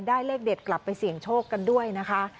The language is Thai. เลขเด็ดกลับไปเสี่ยงโชคกันด้วยนะคะ